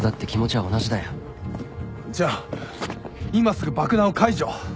じゃあ今すぐ爆弾を解除。